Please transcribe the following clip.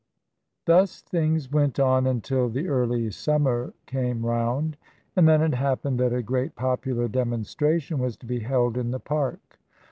Thus things went on until the early summer came round. And then it happened that a great popular demonstration was to be held in the Park.